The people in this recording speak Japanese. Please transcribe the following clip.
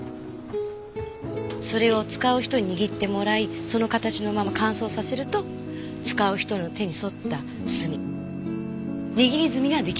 それを使う人に握ってもらいその形のまま乾燥させると使う人の手に沿った墨握り墨が出来上がります。